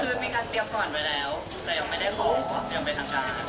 อ๋อคือมีการเตรียมขวัญไปแล้วแต่ยังไม่ได้ขอบความเตรียมไปทั้งการ